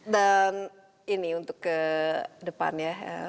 dan ini untuk ke depan ya